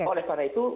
oleh karena itu